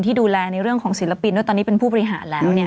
ดูแลในเรื่องของศิลปินด้วยตอนนี้เป็นผู้บริหารแล้วเนี่ย